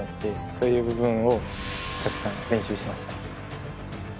そういう部分をたくさん練習しました。